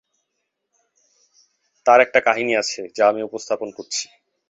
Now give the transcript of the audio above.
তার একটি কাহিনী আছে, যা আমি উপস্থাপন করছি।